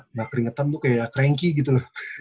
kalau nggak keringetan tuh kayak ya cranky gitu loh